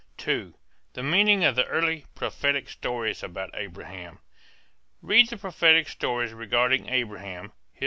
II. THE MEANING OF THE EARLY PROPHETIC STORIES ABOUT ABRAHAM. Read the prophetic stories regarding Abraham (_Hist.